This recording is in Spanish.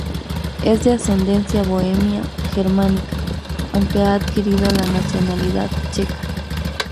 Es de ascendencia bohemia germánica, aunque ha adquirido la nacionalidad checa.